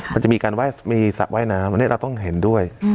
มันจะมีการมีสระว่ายน้ำอันนี้เราต้องเห็นด้วย